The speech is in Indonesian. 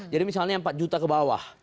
jadi misalnya yang empat juta ke bawah